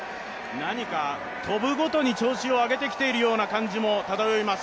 何か、跳ぶごとに調子を上げてきている感じも漂います。